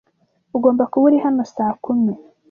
Ugomba kuba uri hano saa kumi